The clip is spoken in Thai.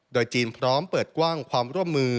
โดยจีนพร้อมเปิดกว้างความร่วมมือ